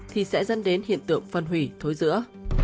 thì sẽ dân đến hiện tượng phân hủy thối dữa